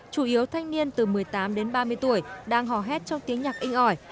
chủ yếu thanh niên từ một mươi tám đến ba mươi tuổi đang hò hét trong tiếng nhạc in ỏi